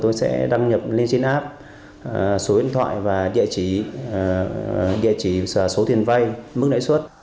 tôi sẽ đăng nhập lên trên app số điện thoại và địa chỉ số tiền vay mức lãi suất